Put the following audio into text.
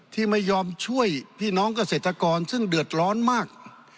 ที่ไม่ยอมช่วยพี่น้องเกษตรกรซึ่งเดือดร้อนมาก